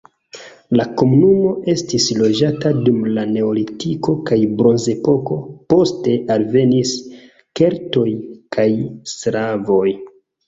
La komunumo estis loĝata dum la neolitiko kaj bronzepoko, poste alvenis keltoj kaj slavoj.